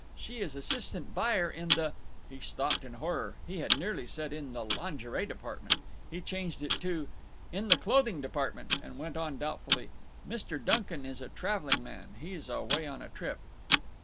She is assistant buyer in the—" He stopped in horror. He had nearly said "in the lingery department." He changed it to "in the clothing department," and went on, doubtfully: "Mr. Duncan is a traveling man. He's away on a trip."